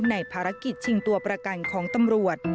ในภารกิจชิงตัวประกันของตำรวจ